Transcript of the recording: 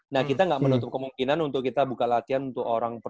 nah kita nggak menutup kemungkinan untuk kita buka latihan untuk orang tua